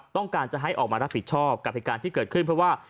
ต้องการจะให้ออกมารับผิดชอบกับเหตุการณ์ที่เกิดขึ้นเพราะว่า